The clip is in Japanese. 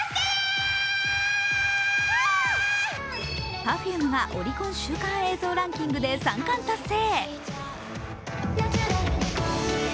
Ｐｅｒｆｕｍｅがオリコン週間映像ランキングで３冠達成。